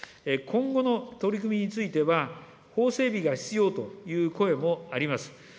今後の取り組みについては、法整備が必要という声もあります。